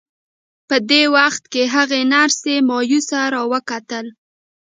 په دې وخت کې هغې نرسې مایوسه را وکتل